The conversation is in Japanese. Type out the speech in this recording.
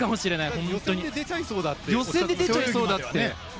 予選で出ちゃいそうだって。